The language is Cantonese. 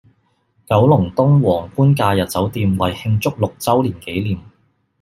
九龍東皇冠假日酒店為慶祝六週年紀念